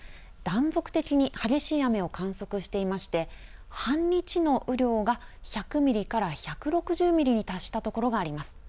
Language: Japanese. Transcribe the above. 断続的に激しい雨を観測していまして、半日の雨量が１００ミリから１６０ミリに達した所があります。